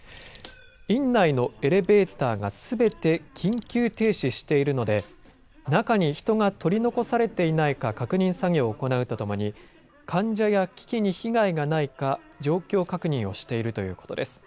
院内のエレベーターがすべて緊急停止しているので中に人が取り残されていないか確認作業を行うとともに患者や機器に被害がないか状況を確認をしているということです。